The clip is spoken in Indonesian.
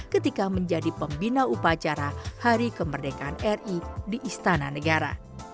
ketika menjadi pembina upacara hari kemerdekaan ri di istana negara